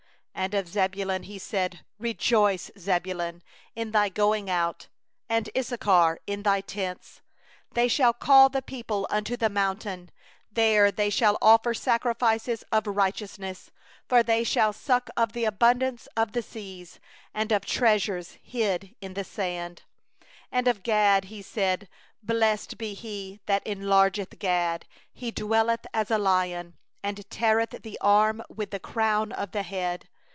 18And of Zebulun he said: Rejoice, Zebulun, in thy going out, And, Issachar, in thy tents. 19They shall call peoples unto the mountain; There shall they offer sacrifices of righteousness; For they shall suck the abundance of the seas, And the hidden treasures of the sand. 20And of Gad he said: Blessed be He that enlargeth Gad; He dwelleth as a lioness, And teareth the arm, yea, the crown of the head.